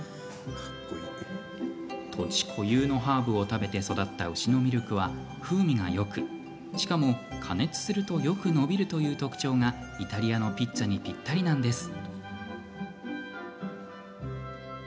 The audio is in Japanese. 土地固有のハーブを食べて育った牛のミルクは風味がよくしかも、加熱するとよく伸びるという特徴がイタリアのピッツァにぴったりなんです。